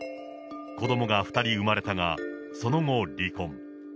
子どもが２人産まれたが、その後離婚。